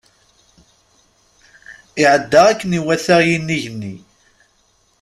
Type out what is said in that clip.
Iɛedda akken iwata yinig-nni.